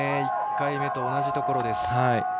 １回目と同じところです。